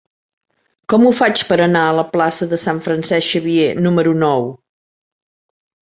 Com ho faig per anar a la plaça de Sant Francesc Xavier número nou?